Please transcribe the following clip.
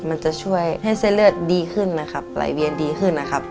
มันจะช่วยให้เส้นเลือดดีขึ้นลายเบี้ยนดีขึ้นนะครับ